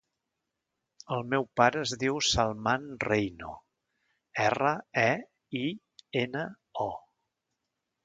El meu pare es diu Salman Reino: erra, e, i, ena, o.